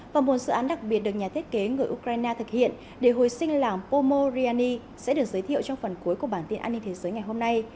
và một dự án đặc biệt được nhà thiết kế người ukraine thực hiện để hồi sinh làng pomoryani sẽ được giới thiệu trong phần cuối của bản tin an ninh thế giới ngày hôm nay